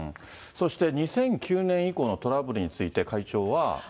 そして、２００９年以降のトラブルについて会長は。